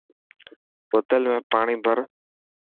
بوتل ۾ پاڻي ڀر.